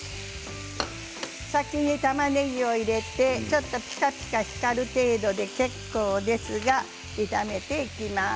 先にたまねぎを入れてちょっとピカピカ光る程度で結構ですが、炒めていきます。